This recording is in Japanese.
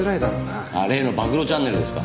ああ例の暴露チャンネルですか？